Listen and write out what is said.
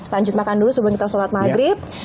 lanjut makan dulu sebelum kita sholat maghrib